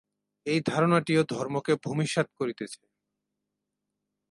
এই ধারণাটিও ধর্মকে ভূমিসাৎ করিতেছে।